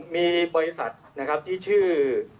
มีบริษัทนะครับที่ชื่อ